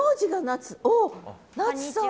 こんにちは。